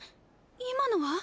今のは？